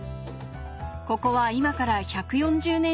ここは今から１４０年